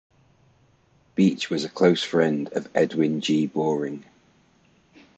Beach and was a close friend of Edwin G. Boring.